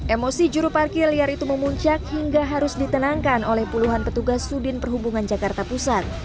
emosi juru parkir liar itu memuncak hingga harus ditenangkan oleh puluhan petugas sudin perhubungan jakarta pusat